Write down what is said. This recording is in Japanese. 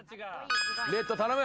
レッド頼む。